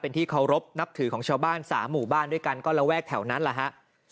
ที่เคารพนับถือของชาวบ้าน๓หมู่บ้านด้วยกันก็ระแวกแถวนั้นแหละฮะ